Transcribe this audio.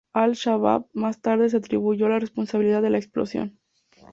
Al-Shabbaab más tarde se atribuyó la responsabilidad de la explosión.